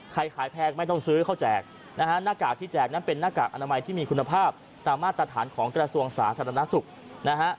ขายแพงไม่ต้องซื้อเขาแจกนะฮะหน้ากากที่แจกนั้นเป็นหน้ากากอนามัยที่มีคุณภาพตามมาตรฐานของกระทรวงสาธารณสุขนะฮะ